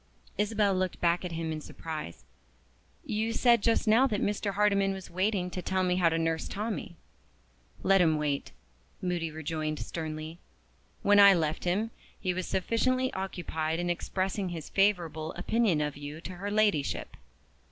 Isabel looked back at him in surprise. "You said just now that Mr. Hardyman was waiting to tell me how to nurse Tommie." "Let him wait," Moody rejoined sternly. "When I left him, he was sufficiently occupied in expressing his favorable opinion of you to her Ladyship."